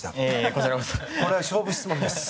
これは勝負質問です。